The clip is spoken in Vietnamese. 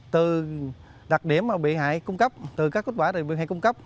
từ đặc điểm mà bị hại cung cấp từ các kết quả được bị hại cung cấp